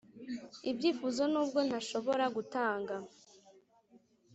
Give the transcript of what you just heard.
ibyifuzo nubwo ntashobora gutanga.